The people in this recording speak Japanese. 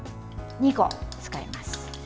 ２個、使います。